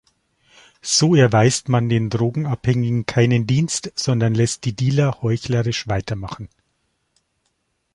So erweist man den Drogenabhängigen keinen Dienst, sondern lässt die Dealer heuchlerisch weitermachen.